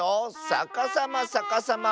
さかさまさかさま！